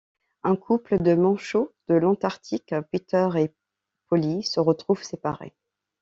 Un couple de manchots de l'Antarctique, Peter et Polly, se retrouvent séparés.